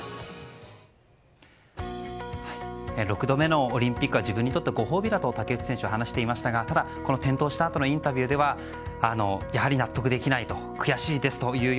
６度目のオリンピックは自分にとってご褒美だと竹内選手は話していましたがただ、この転倒したあとのインタビューではやはり納得できない悔しいです